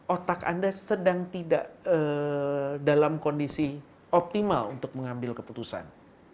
otak anda sedang tidak dalam kondisi optimal untuk mengambil keputusan